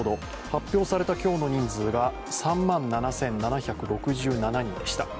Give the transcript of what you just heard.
発表された今日の人数が３万７７６７人でした。